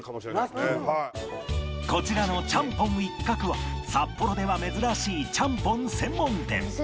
こちらのちゃんぽん一鶴は札幌では珍しいちゃんぽん専門店